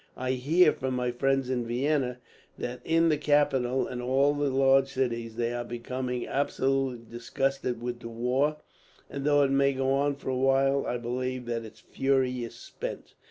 I hear, from my friends in Vienna, that in the capital and all the large cities they are becoming absolutely disgusted with the war; and though it may go on for a while, I believe that its fury is spent.